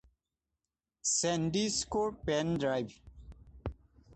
ছেণ্ডিস্কৰ pen drive